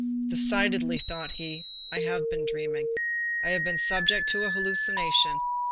"Decidedly," thought he, "I have been dreaming. I have been subject to a hallucination.